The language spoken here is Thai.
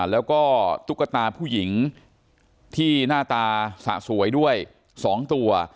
แล้วก็ตุ๊กตาผู้หญิงที่หน้าตาสะสวยด้วย๒ตัว